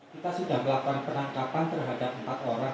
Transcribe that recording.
kita sudah melakukan penangkapan terhadap empat orang